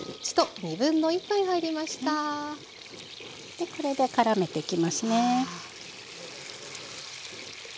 でこれでからめていきますね。